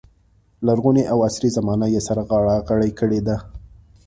لرغونې او عصري زمانه یې سره غاړه غړۍ کړې دي.